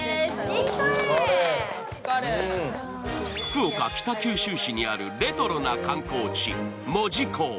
福岡北九州市にあるレトロな観光地・門司港。